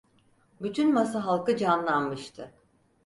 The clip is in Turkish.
Bütün masa halkı canlanmıştı.